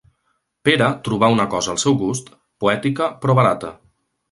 Pera trobar una cosa al seu gust: poètica, però barata